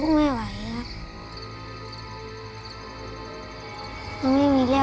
มันไม่มีแร่วแรง